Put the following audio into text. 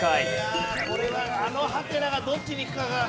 いやあこれはあのハテナがどっちにいくかが。